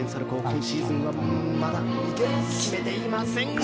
今シーズンはまだ決めていませんが。